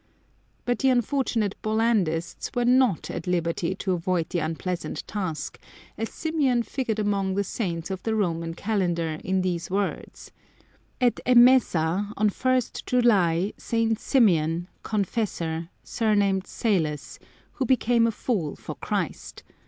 But the unfortunate Bollandists were not at liberty to avoid the unpleasant task, as Symeon figured among the Saints of the Roman Calendar in these words :" At Emesa (on ist July) St. Symeon, Confessor, surnamed Salos, who became a fool for Christ.